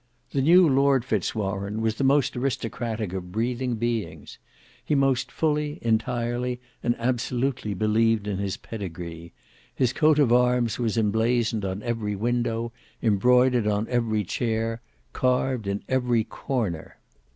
The new Lord Fitz Warene was the most aristocratic of breathing beings. He most fully, entirely, and absolutely believed in his pedigree; his coat of arms was emblazoned on every window, embroidered on every chair, carved in every corner.